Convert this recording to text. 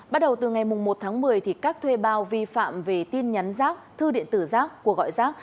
bắt đầu từ ngày một tháng một mươi các thuê bao vi phạm về tin nhắn giác thư điện tử giác của gọi giác